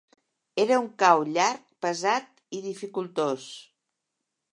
Era un cau llarg, pesat i dificultós.